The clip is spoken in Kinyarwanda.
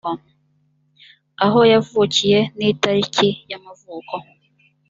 aho yavukiye n’itariki y’amavuko